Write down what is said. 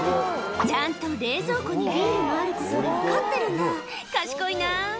ちゃんと冷蔵庫にビールがあること分かってるんだ賢いな！